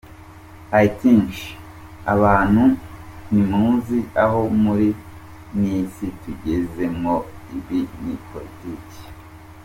I think abantu ntimuzi aho muri nisi tugezemwo ibi ni politike .